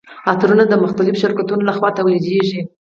عطرونه د مختلفو شرکتونو لخوا تولیدیږي.